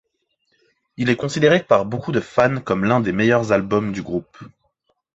Il est considéré par beaucoup de fans comme l’un des meilleurs albums du groupe.